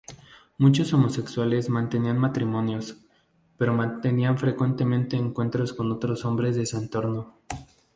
Muchos homosexuales mantenían matrimonios, pero mantenían frecuentemente encuentros con otros hombres de su entorno.